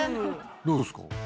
どうですか？